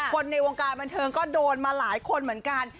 ในวงการบันเทิงก็โดนมาหลายคนเหมือนกัน